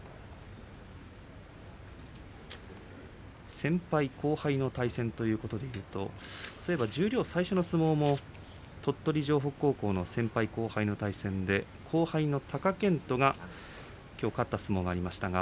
先輩後輩の対戦ということで見ますと十両最初の相撲も鳥取城北高校の先輩後輩の対戦で後輩の貴健斗がきょう勝った相撲がありました。